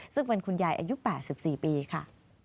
ซึ่งเป็นคุณยายอายุ๘๔ปีค่ะ